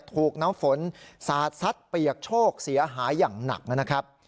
ถูกน้ำฝนสาดซัดเปียกโชคเสียหายอย่างหนักนะครับ